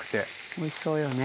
おいしそうよね。